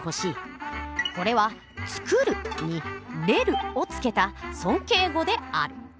これは「作る」に「れる」をつけた尊敬語である。